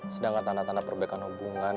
sedangkan tanda tanda perbaikan hubungan